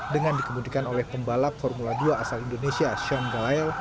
dengan dikemudikan oleh pembalap formula dua asal indonesia shan galayle